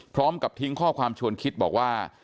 พร้อมกับทิ้งข้อความชวนคิดบอกว่า